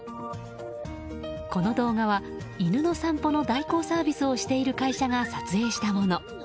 この動画は犬の散歩の代行サービスをしている会社が撮影したもの。